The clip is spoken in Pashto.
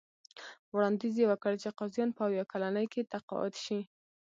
وړاندیز یې وکړ چې قاضیان په اویا کلنۍ کې تقاعد شي.